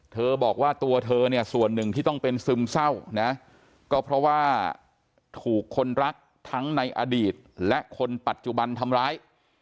บอกว่าตัวเธอเนี่ยส่วนหนึ่งที่ต้องเป็นซึมเศร้านะก็เพราะว่าถูกคนรักทั้งในอดีตและคนปัจจุบันทำร้าย